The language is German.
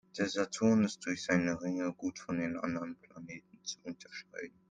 Der Saturn ist durch seine Ringe gut von den anderen Planeten zu unterscheiden.